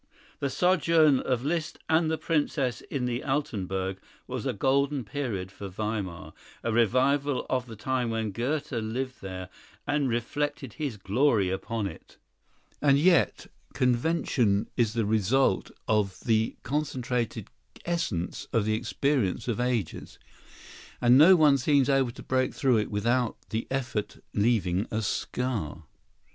The sojourn of Liszt and the Princess in the Altenburg was a "golden period" for Weimar, a revival of the time when Goethe lived there and reflected his glory upon it. [Illustration: The Altenburg, Weimar, where Liszt and Carolyne lived.] And yet—convention is the result of the concentrated essence of the experience of ages; and no one seems able to break through it without the effort leaving a scar.